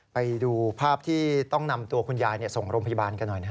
ไปดูภาพที่ต้องนำตัวคุณยายส่งโรงพยาบาลกันหน่อย